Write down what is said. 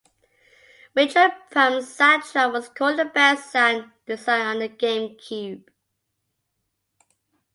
"Metroid Prime"s soundtrack was called the best sound design on the GameCube.